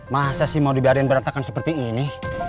masa sih mau dibiarin berantakan seperti ini